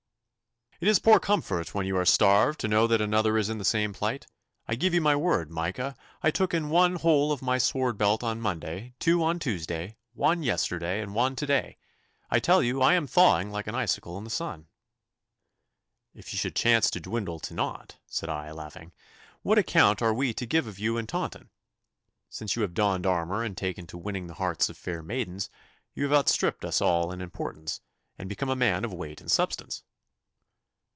'It is poor comfort when you are starved to know that another is in the same plight. I give you my word, Micah, I took in one hole of my sword belt on Monday, two on Tuesday, one yesterday, and one to day. I tell you, I am thawing like an icicle in the sun.' 'If you should chance to dwindle to nought,' said I, laughing, 'what account are we to give of you in Taunton? Since you have donned armour and taken to winning the hearts of fair maidens, you have outstripped us all in importance, and become a man of weight and substance.